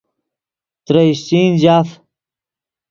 ترے اشچین جاف